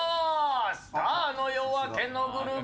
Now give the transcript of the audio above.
スターの「夜明けのグルメ」